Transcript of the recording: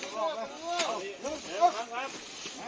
โน้ท